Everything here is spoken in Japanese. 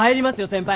先輩。